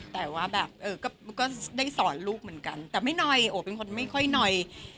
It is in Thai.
แต่ว่าแบบก็ได้สอนลูกเหมือนกันแต่ไม่หน่อยโอ้เป็นคนไม่ค่อยหน่อย